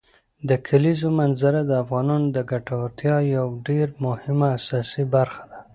د کلیزو منظره د افغانانو د ګټورتیا یوه ډېره مهمه او اساسي برخه ده.